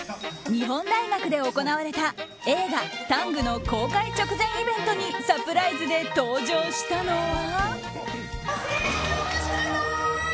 日本大学で行われた映画「ＴＡＮＧタング」の公開直前イベントにサプライズで登場したのは。